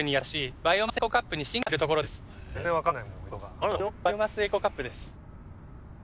バイオマスエコカップです。